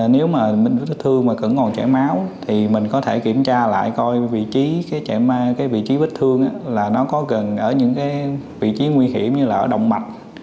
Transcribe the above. nếu mà bị thương mà cần còn chảy máu thì mình có thể kiểm tra lại coi vị trí bị thương là nó có gần ở những vị trí nguy hiểm như là ở động mạch